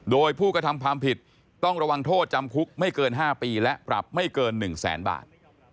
โดยผู้กระทำความผิดต้องระวังโทษจำคุกไม่เกิน๕ปีและปรับไม่เกิน๑แสนบาท